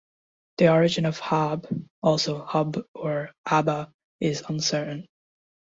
The origin of Haab (also Hab or Abba) is uncertain.